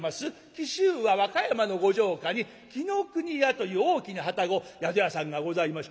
紀州は和歌山のご城下に紀伊国屋という大きな旅籠宿屋さんがございましてね。